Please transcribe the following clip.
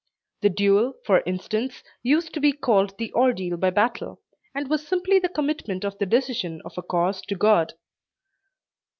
The duel, for instance, used to be called the "ordeal by battle," and was simply the commitment of the decision of a cause to God.